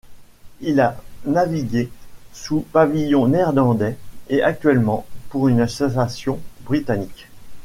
Il a navigué sous pavillon néerlandais et actuellement pour une association britannique.